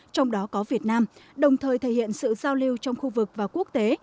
trong đó có việt nam đồng thời thể hiện sự giao lưu trong khu vực và quốc tế